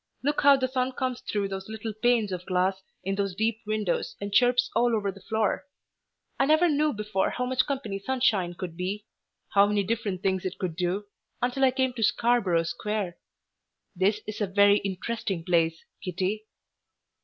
Look how the sun comes through those little panes of glass in those deep windows and chirps all over the floor. I never knew before how much company sunshine could be; how many different things it could do, until I came to Scarborough Square. This is a very interesting place, Kitty."